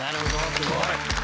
すごい！